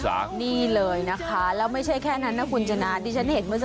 นี่เลยนะคะแล้วไม่ใช่แค่นั้นนะคุณชนะที่ฉันเห็นเมื่อสัก